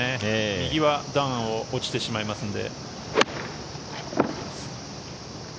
右は段を落ちてしまいますので。